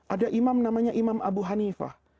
ada imam namanya imam abu hanifah